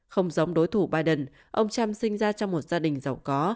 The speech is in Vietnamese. không giống đối thủ biden ông trump sinh ra trong một gia đình giàu có